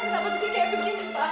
kenapa juga kayak begini